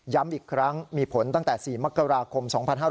อีกครั้งมีผลตั้งแต่๔มกราคม๒๕๕๙